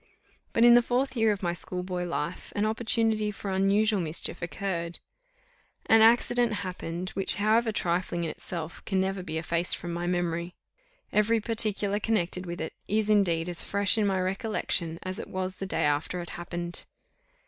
But in the fourth year of my schoolboy life, an opportunity for unusual mischief occurred. An accident happened, which, however trifling in itself, can never be effaced from my memory. Every particular connected with it, is indeed as fresh in my recollection as it was the day after it happened.